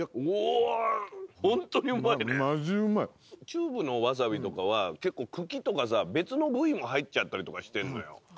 チューブのわさびとかは結構茎とかさ別の部位も入っちゃったりとかしてんのよ。